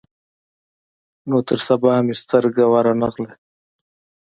نو تر سبا مې سترګه ور نه غله.